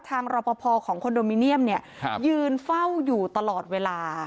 รอปภของคอนโดมิเนียมเนี่ยยืนเฝ้าอยู่ตลอดเวลา